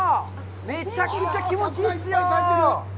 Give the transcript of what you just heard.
めちゃくちゃ気持ちいいっすよ。